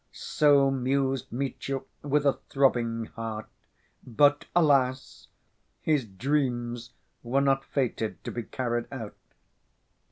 So mused Mitya, with a throbbing heart, but alas! his dreams were not fated to be carried out.